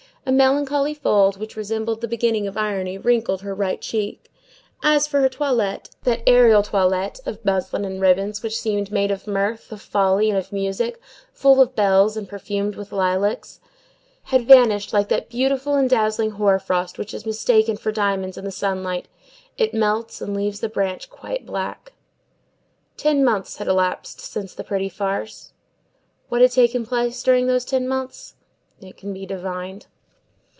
A melancholy fold, which resembled the beginning of irony, wrinkled her right cheek. As for her toilette, that aerial toilette of muslin and ribbons, which seemed made of mirth, of folly, and of music, full of bells, and perfumed with lilacs had vanished like that beautiful and dazzling hoar frost which is mistaken for diamonds in the sunlight; it melts and leaves the branch quite black. Ten months had elapsed since the "pretty farce." What had taken place during those ten months? It can be divined.